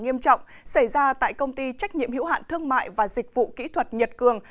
nghiêm trọng xảy ra tại công ty trách nhiệm hiểu hạn thương mại và dịch vụ kỹ thuật nhật cường